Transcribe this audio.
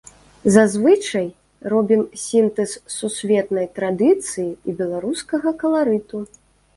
Зазвычай, робім сінтэз сусветнай традыцыі і беларускага каларыту.